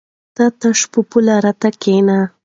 ته تش په پوله راته کېنه!